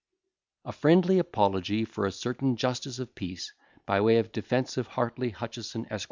_] A FRIENDLY APOLOGY FOR A CERTAIN JUSTICE OF PEACE BY WAY OF DEFENCE OF HARTLEY HUTCHESON, ESQ.